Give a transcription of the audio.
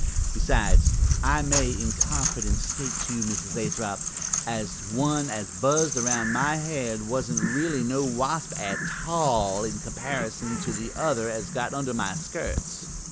Besides, I may in confidence state to you, Mrs. Lathrop, as the one as buzzed aroun' my head wan't really no wasp a tall in comparison to the one as got under my skirts."